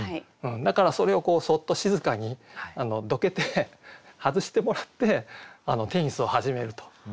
だからそれをそっと静かにどけて外してもらってテニスを始めると。